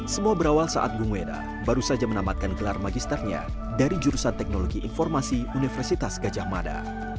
semua berawal saat agung wedah baru saja menamatkan gelar magisternya dari jurusan teknologi informasi universitas gajah mada